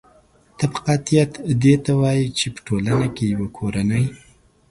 طبقاتیت دې ته وايي چې په ټولنه کې یوه کورنۍ